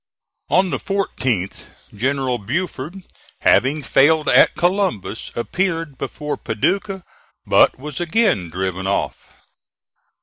On the 14th, General Buford, having failed at Columbus, appeared before Paducah, but was again driven off.